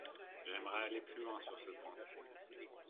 J’aimerais aller plus loin sur ce point.